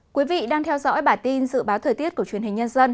quý vị đang theo dõi bản tin dự báo thời tiết của truyền hình nhân dân